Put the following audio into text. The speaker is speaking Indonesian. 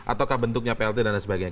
ataukah bentuknya plt dan lain sebagainya